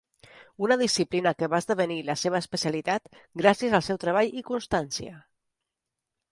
Una disciplina que va esdevenir la seva especialitat gràcies al seu treball i constància.